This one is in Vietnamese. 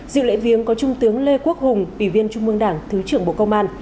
dự lễ viếng có trung tướng lê quốc hùng ủy viên trung mương đảng thứ trưởng bộ công an